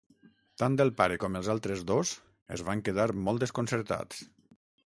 Tant el pare com els altres dos es van quedar molt desconcertats.